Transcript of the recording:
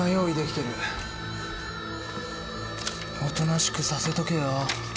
おとなしくさせとけよ？